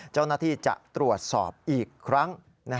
เจ้าหน้าที่จะตรวจสอบอีกครั้ง